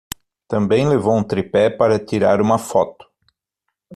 Também levou um tripé para tirar uma foto